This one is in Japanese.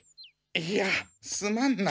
いやすまんな。